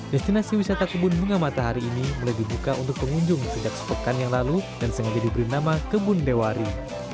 destinasi wisata kebun bunga matahari ini mulai dibuka untuk pengunjung sejak sepekan yang lalu dan sengaja diberi nama kebun dewari